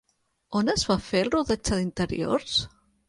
On es va fer el rodatge d'interiors?